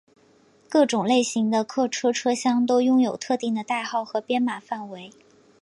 各种类型的客车车厢都拥有特定的代号和编码范围。